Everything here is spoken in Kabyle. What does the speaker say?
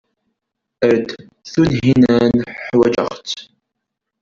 Err-d Tunhinan, ḥwajeɣ-tt.